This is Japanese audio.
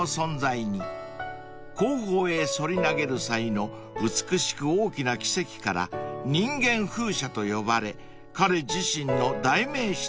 ［後方へ反り投げる際の美しく大きな軌跡から人間風車と呼ばれ彼自身の代名詞となりました］